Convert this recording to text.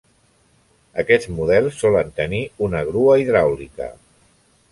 Aquests models solen tenir una grua hidràulica.